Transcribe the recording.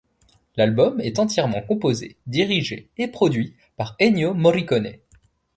L'album est entièrement composé, dirigé et produit par Ennio Morricone.